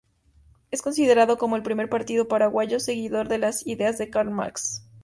Es considerado como el primer partido paraguayo seguidor de las ideas de Karl Marx.